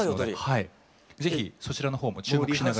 是非そちらのほうも注目しながら。